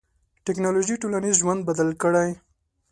ټکنالوژي ټولنیز ژوند بدل کړی.